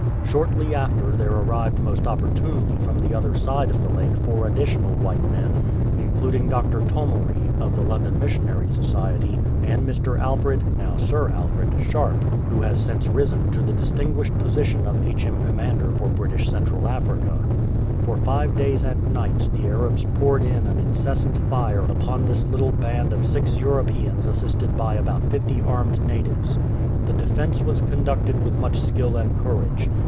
Shortly after there arrived most opportunely from the other side of the lake four additional white men, including Dr. Tomory, of the London Missionary Society, and Mr. Alfred (now Sir Alfred) Sharpe, who has since risen to the distinguished position of H.M. Commissioner for British Central Africa. For five days and nights the Arabs poured in an incessant fire upon this little band of six Europeans assisted by about fifty armed natives. The defence was conducted with much skill and courage.